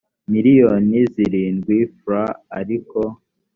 miliyoni zirindwi frw ariko